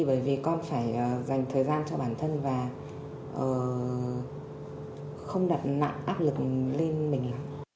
bởi vì con phải dành thời gian cho bản thân và không đặt nặng áp lực lên mình lắm